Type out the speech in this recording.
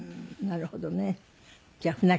なるほどね。